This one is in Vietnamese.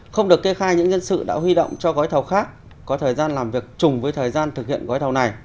không được kê khai những nhân sự đã huy động cho gói thầu khác có thời gian làm việc chùng với thời gian thực hiện gói thầu này